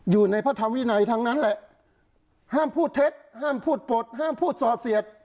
อยู่ในพระธรรมวินัยทั้งนั้นแหละห้ามพูดเท็จห้ามพูดปลดห้ามพูดส่อเสียด